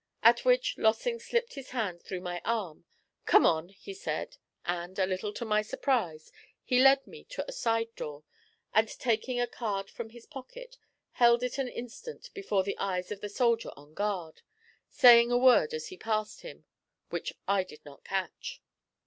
At which Lossing slipped his hand through my arm. 'Come on,' he said, and, a little to my surprise, he led me to a side door, and taking a card from his pocket, held it an instant before the eyes of the soldier on guard, saying a word as he passed him, which I did not catch.